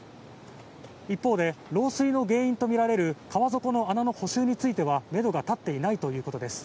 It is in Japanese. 一方で漏水の原因とみられる川底の穴の補修についてはめどが立っていないということです。